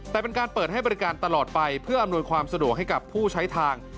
แต่เป็นการเปิดให้บริการตลอดไปเพื่ออำนวยความสะดวกให้กับผู้ใช้ทาง